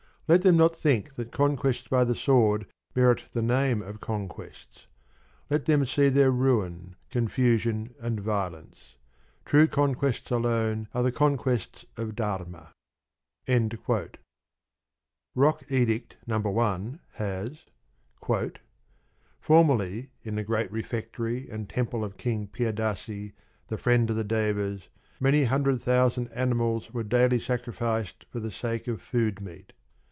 Let them not think that conquests by the sword merit the name of conquests. Let them see their ruin, confusion, and violence. True conquests alone are the conquests of Dharma. Rock Edict No. 1 has: Formerly in the great refectory and temple of King Piyadasi, the friend of the Devas, many hundred thousand animals were daily sacrificed for the sake of food meat...